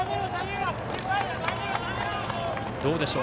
どうでしょう。